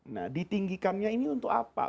nah ditinggikannya ini untuk apa